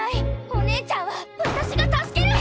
お姉ちゃんは私が助ける！